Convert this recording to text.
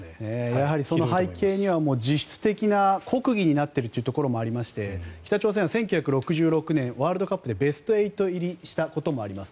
やはり、その背景には実質的な国技になっているというところもありまして北朝鮮は１９６６年ワールドカップでベスト８入りしたこともあります。